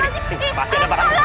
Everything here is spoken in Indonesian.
pasti ada barang bukti